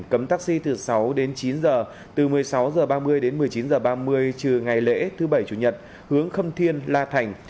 cấm taxi từ sáu đến chín h từ một mươi sáu h ba mươi đến một mươi chín h ba mươi trừ ngày lễ thứ bảy chủ nhật hướng khâm thiên la thành